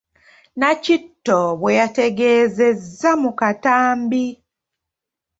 Nakitto bwe yategeezezza mu katambi.